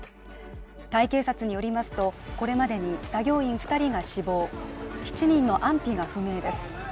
タイ警察によりますと、これまでに作業員２人が死亡、７人の安否が不明です。